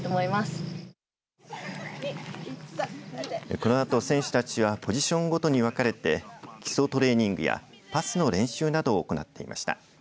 このあと選手たちはポジションごとに分かれて基礎トレーニングやパスの練習などを行っていました。